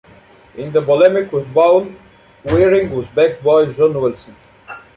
In the polemic with Powell, Waring was backed by John Wilson.